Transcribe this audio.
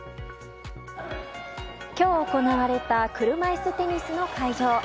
今日行われた車いすテニスの会場。